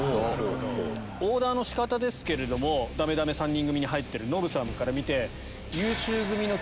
オーダーの仕方ですけれどもダメダメ３人組に入ってるノブさんから見て。